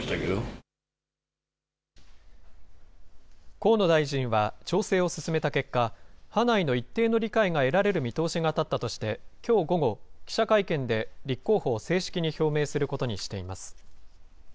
河野大臣は調整を進めた結果、派内の一定の理解が得られる見通しが立ったとして、きょう午後、記者会見で立候補を正式に表明することにしています。